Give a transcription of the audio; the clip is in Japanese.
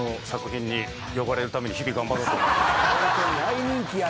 大人気やな。